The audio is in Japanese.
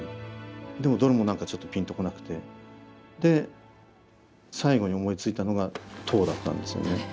でもどれも何かちょっとピンと来なくてで最後に思いついたのがトウだったんですよね。